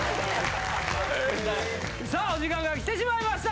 さあお時間がきてしまいました！